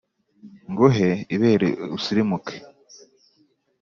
nguhe ibere usirimuke.